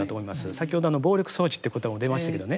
先ほど暴力装置ってことも出ましたけどね